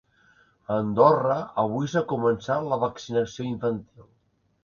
A Andorra, avui s’ha començat la vaccinació infantil.